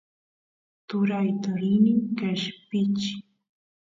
turayta rini qeshpichiy